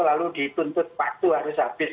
lalu dituntut waktu harus habis